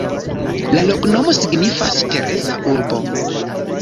La loknomo signifas: Tereza-urbo.